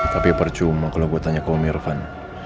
tapi percuma kalau gue tanya ke om irfan